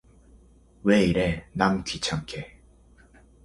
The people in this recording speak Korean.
왜 이래, 남 귀찮게.